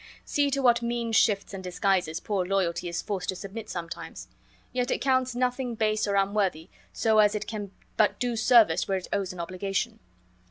See to what mean shifts and disguises poor loyalty is forced to submit sometimes; yet it counts nothing base or unworthy so as it can but do service where it owes an obligation!